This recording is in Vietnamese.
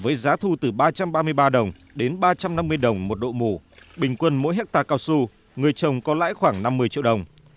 với giá thu từ ba trăm ba mươi ba đồng đến ba trăm năm mươi đồng một độ mù bình quân mỗi hectare cao su người trồng có lãi khoảng năm mươi triệu đồng